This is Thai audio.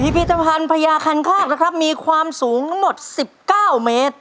พิธภัณฑ์พญาคันคากนะครับมีความสูงทั้งหมด๑๙เมตร